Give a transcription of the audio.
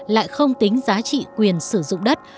lại không tính giá trị quyền sử dụng đất